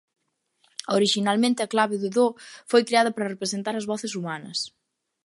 Orixinalmente a clave de dó foi creada para representar as voces humanas.